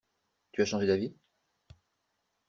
Tu as changé d’avis?